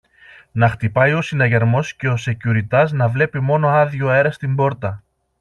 να χτυπάει ο συναγερμός και ο σεκιουριτάς να βλέπει μόνο άδειο αέρα στην πόρτα